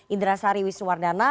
indra sari wisnuwardana